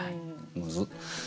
むずっ。